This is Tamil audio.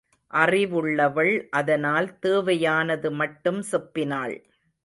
அறிவுள்ளவள் அதனால் தேவையானது மட்டும் செப்பினாள்.